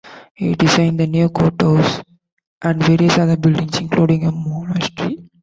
He designed the new court house, and various other buildings, including a monastery.